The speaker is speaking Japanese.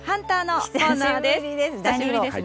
久しぶりですね。